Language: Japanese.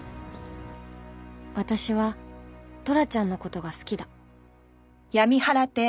私はトラちゃんの事が好きだ